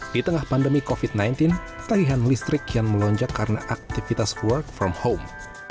di tengah pandemi covid sembilan belas tagihan listrik kian melonjak karena aktivitas work from home